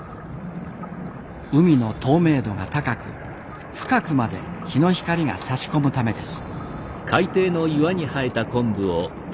海の透明度が高く深くまで日の光がさし込むためです。